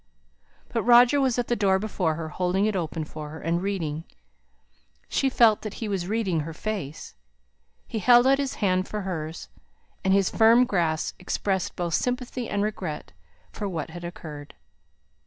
But Roger was at the door before her, holding it open for her, and reading she felt that he was reading her face. He held out his hand for hers, and his firm grasp expressed both sympathy and regret for what had occurred.